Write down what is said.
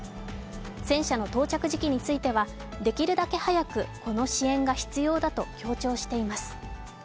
戦車の到着時期についてはできるだけ早くこの支援が必要だと強調しています。